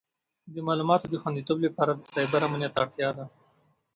د معلوماتو د خوندیتوب لپاره د سایبر امنیت اړتیا ده.